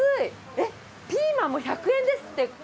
えっピーマンも１００円ですって。